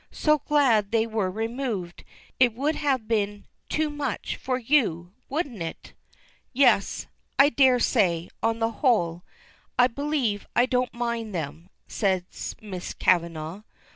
"So glad they were removed; it would have been too much for you, wouldn't it?" "Yes I dare say on the whole, I believe I don't mind them," says Miss Kavanagh.